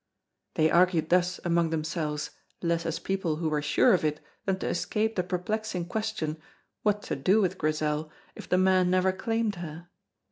They argued thus among themselves, less as people who were sure of it than to escape the perplexing question, what to do with Grizel if the man never claimed her?